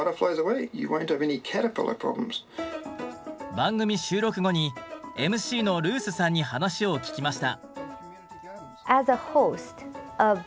番組収録後にＭＣのルースさんに話を聞きました。